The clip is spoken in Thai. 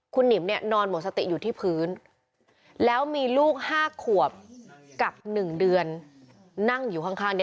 คุณหนิมนอนหมดสติอยู่ที่พื้นแล้วมีลูก๕ขวบกับ๑เดือนนั่งอยู่ข้าง